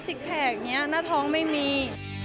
สิกแผลกนี้หน้าท้องไม่มี